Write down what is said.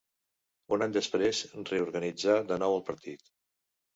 Un any després reorganitzà de nou el partit.